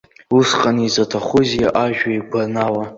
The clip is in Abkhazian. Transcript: Усҟан изаҭахузеи ажәа игәанала?